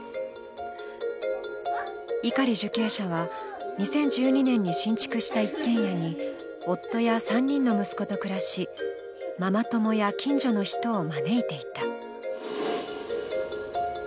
碇受刑者は２０１２年に新築した一軒家に夫や３人の息子と暮らし、ママ友や近所の人を招いていた。